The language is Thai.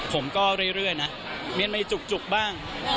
ผมก็เรื่อยนะเมียนมาจุกบ้าง